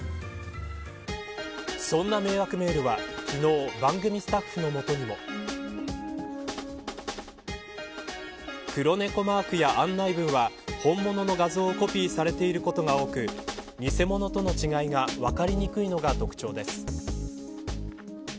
そんな迷惑メールは昨日、番組スタッフのもとにも。クロネコマークや案内文は本物の画像をコピーされていることが多く偽物との違いが分かりにくいのが特徴です。